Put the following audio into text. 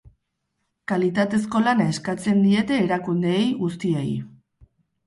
Kalitatezko lana eskatzen diete erakundeei guztiei.